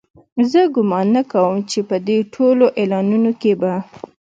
زه ګومان نه کوم چې په دې ټولو اعلانونو کې به.